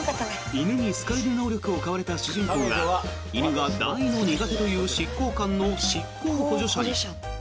犬に好かれる能力を買われた主人公が犬が大の苦手という執行官の執行補助者に。